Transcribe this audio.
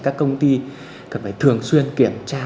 các công ty cần phải thường xuyên kiểm tra